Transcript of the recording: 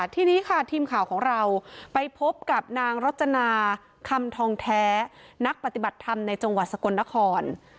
ทีนี้ค่ะทีมข่าวของเราไปพบกับนางรจนาคำทองแท้นักปฏิบัติธรรมในจังหวัดสกลนคร